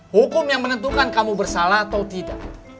hukum yang menentukan kamu bersalah atau tidak